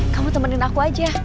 kamu temenin aku aja